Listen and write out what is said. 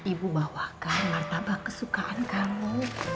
ibu bawakan martabak kesukaan kamu